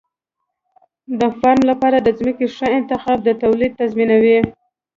د فارم لپاره د ځمکې ښه انتخاب د تولید تضمینوي.